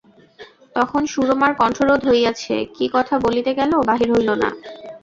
তখন সুরমার কণ্ঠরোধ হইয়াছে, কী কথা বলিতে গেল, বাহির হইল না।